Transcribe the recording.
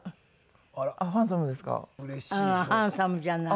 ハンサムじゃない。